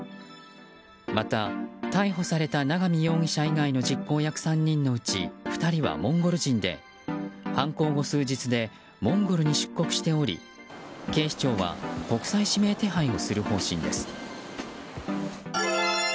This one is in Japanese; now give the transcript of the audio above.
また、逮捕された永見容疑者以外の実行役３人のうち２人はモンゴル人で犯行後、数日でモンゴルに出国しており警視庁は国際指名手配をする方針です。